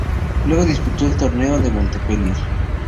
Luego disputó el Torneo de Montpellier.